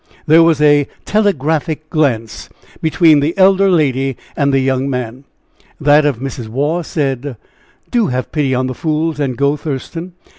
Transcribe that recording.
There was a telegraphic glance between the elder lady and the young man. That of Mrs. Waugh said: "Do have pity on the fools, and go, Thurston."